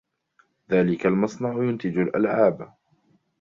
ذلك المصنع ينتج الألعاب.